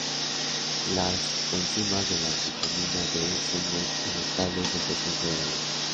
Las coenzimas de la vitamina B son muy inestables en presencia de la luz.